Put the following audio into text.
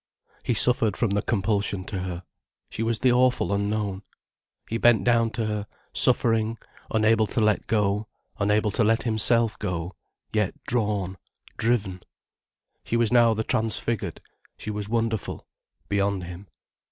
He suffered from the compulsion to her. She was the awful unknown. He bent down to her, suffering, unable to let go, unable to let himself go, yet drawn, driven. She was now the transfigured, she was wonderful, beyond him.